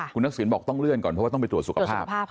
คุณทักษิณบอกต้องเลื่อนก่อนเพราะว่าต้องไปตรวจสุขภาพ